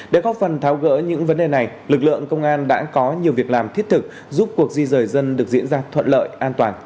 để góp phần tháo gỡ những vấn đề này lực lượng công an đã có nhiều việc làm thiết thực giúp cuộc di rời dân được diễn ra thuận lợi an toàn